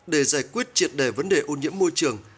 để giải quyết triệt đề vấn đề ô nhiễm môi trường